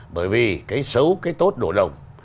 bởi vì cái xấu cái tốt đổ đồng